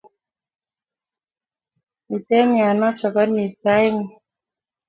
muiten yon osokoni tainng'ung